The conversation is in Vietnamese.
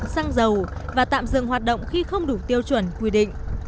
xăng dầu và tạm dừng hoạt động khi không đủ tiêu chuẩn quy định